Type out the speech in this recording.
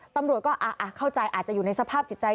ตำรวจก็เข้าใจอาจจะอยู่ในสภาพจิตใจ